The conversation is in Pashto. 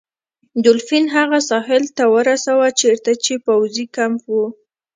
دولفین هغه ساحل ته ورساوه چیرته چې پوځي کمپ و.